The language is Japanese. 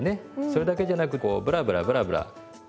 それだけじゃなくこうブラブラブラブラ。